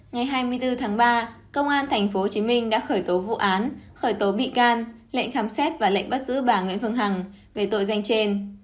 ngày hai mươi bốn tháng ba công an tp hcm đã khởi tố vụ án khởi tố bị can lệnh khám xét và lệnh bắt giữ bà nguyễn phương hằng về tội danh trên